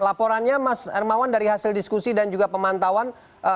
laporannya mas hermawan dari hasil diskusi dan juga pemantauan